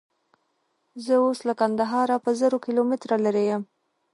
زه اوس له کندهاره په زرو کیلومتره لیرې یم.